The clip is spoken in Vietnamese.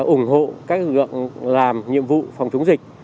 ủng hộ các lực lượng làm nhiệm vụ phòng chống dịch